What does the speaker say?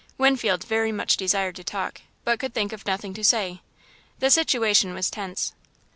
Winfield very much desired to talk, but could think of nothing to say. The situation was tense.